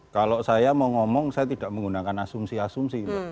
kalau saya mau ngomong saya tidak menggunakan asumsi asumsi